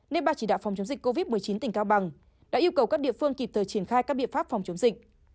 nên ba chỉ đạo phòng chống dịch covid một mươi chín tỉnh cao bằng đã yêu cầu các địa phương kịp thời triển khai các biện pháp phòng chống dịch